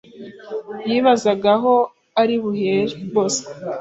Yibazaga aho ari buhere Bosco